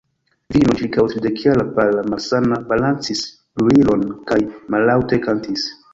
Virino ĉirkaŭ tridekjara, pala, malsana, balancis lulilon kaj mallaŭte kantis.